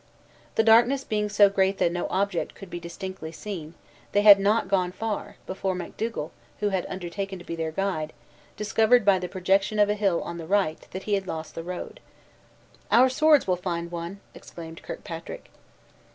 The darkness being so great that no object could be distinctly seen, they had not gone far, before Macdougal, who had undertaken to be their guide, discovered by the projection of a hill on the right, that he had lost the road. "Our swords will find one!" exclaimed Kirkpatrick.